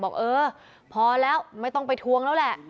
บอกเออพอแล้วไม่ต้องไปทวงแล้วแหละ